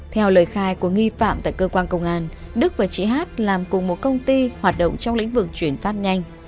theo lời khai của nghi phạm tại cơ quan công an đức và chị hát làm cùng một công ty hoạt động trong lĩnh vực chuyển phát nhanh